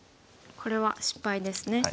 これは失敗ですね。